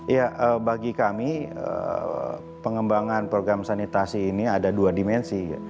ya bagi kami pengembangan program sanitasi ini ada dua dimensi